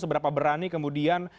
seberapa berani kemudian